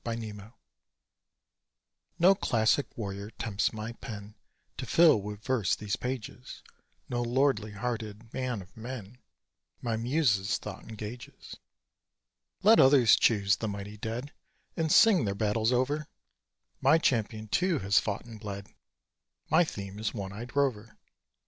Rover No classic warrior tempts my pen To fill with verse these pages No lordly hearted man of men My Muse's thought engages. Let others choose the mighty dead, And sing their battles over! My champion, too, has fought and bled My theme is one eyed Rover.